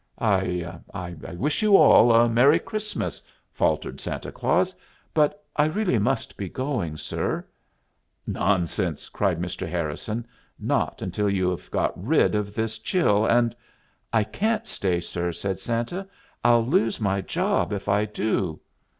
"I I wish you all a merry Christmas," faltered Santa Claus; "but I really must be going, sir " "Nonsense!" cried Mr. Harrison. "Not until you have got rid of this chill, and " "I can't stay, sir," said Santa. "I'll lose my job if I do."